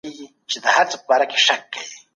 حکومتونه باید د انساني قاچاقبرانو مخه ونیسي.